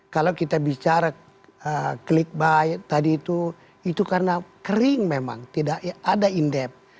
kalau kita bicara klik buy tadi itu karena kering memang tidak ada indep